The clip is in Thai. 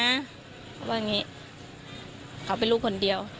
เพราะว่าอย่างนี้เขาเป็นลูกคนเดียว